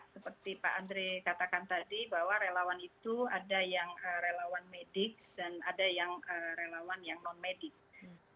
seperti pak andre katakan tadi bahwa relawan itu ada yang relawan medik dan ada yang relawan yang non medis